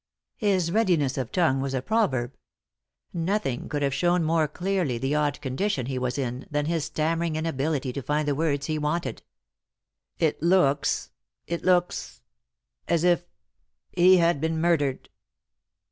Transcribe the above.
His readiness 01 tongue was a proverb. Nothing could have shown more clearly the odd condition he was in than his stammering inability to find the words he wanted. 3i 9 iii^d by Google THE INTERRUPTED KISS " It looks — it looks— as if— he had been murdered."